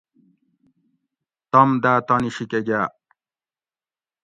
تم داۤ تانی شی کۤہ گاۤ